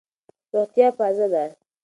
روغتیا پازه ده.